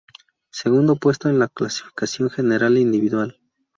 Segundo puesto en la Clasificación General Individual.